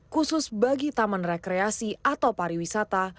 khusus bagi taman rekreasi atau pariwisata